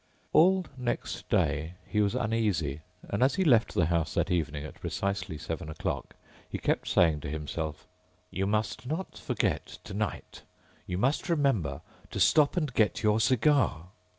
All next day he was uneasy and as he left the house that evening, at precisely seven o'clock, he kept saying to himself: "You must not forget tonight! You must remember to stop and get your cigar!"